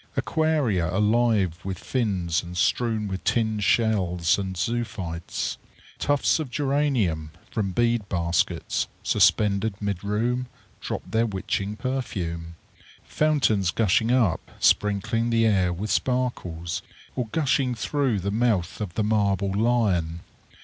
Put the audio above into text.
Aquaria alive with fins and strewn with tinged shells and zoophytes. Tufts of geranium, from bead baskets, suspended mid room, drop their witching perfume. Fountains gushing up, sprinkling the air with sparkles, or gushing through the mouth of the marble lion.